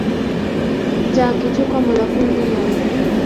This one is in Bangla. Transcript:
যা কিছু কমলা ফুল নিয়ে আয়।